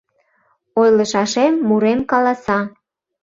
Ойлышашем мурем каласа.